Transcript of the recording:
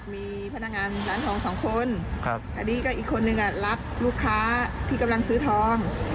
มีพนักงานร้านทองสองคนอันนี้ก็อีกคนนึงรับลูกค้าที่กำลังซื้อทอง